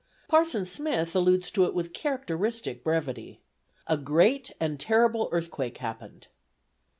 Parson Smith alludes to it with characteristic brevity: "A great and terrible earthquake happened."